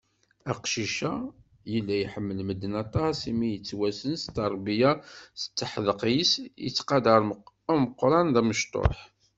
Aqcic-a, yella iḥemmel medden aṭaṣ, imi yettwassen s terbiyya d teḥdeq-is, yettqadaṛ ameqqṛan d umectuḥ.